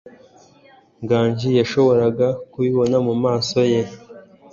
Nganji yashoboraga kubibona mumaso ye.